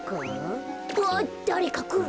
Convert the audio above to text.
あっだれかくる。